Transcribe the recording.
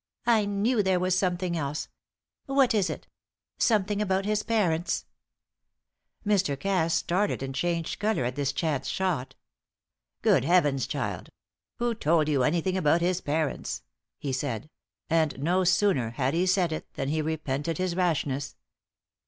"I knew there was something else. What is it something about his parents?" Mr. Cass started and changed colour at this chance shot. "Good Heavens, child! Who told you anything about his parents?" he said; and no sooner had he said it than he repented his rashness.